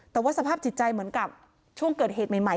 แต่ว่าสภาพจิตใจเหมือนกับช่วงเกิดเหตุใหม่